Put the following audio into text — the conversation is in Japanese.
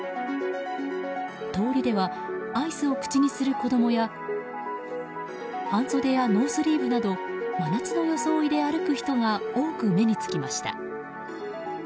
通りではアイスを口にする子供や半袖やノースリーブなど真夏の装いで歩く人が多く目につきました。